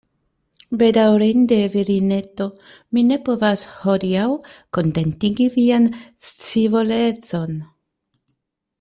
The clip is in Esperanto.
Bedaŭrinde, virineto, mi ne povas, hodiaŭ, kontentigi vian scivolecon.